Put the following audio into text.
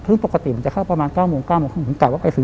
คือปกติผมจะเข้าประมาณ๙๙๓๐ผมกลับว่าไปถึง